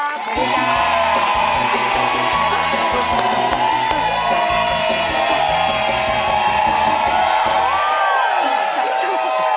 ขอบคุณครับ